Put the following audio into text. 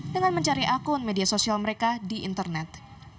dengan mencari akun media sosial mereka di internet